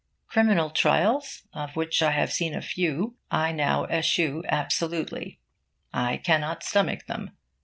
Criminal trials, of which I have seen a few, I now eschew absolutely. I cannot stomach them.